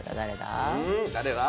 誰だ？